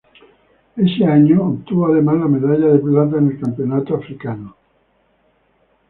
Ese año obtuvo además la medalla de plata en el campeonato africano.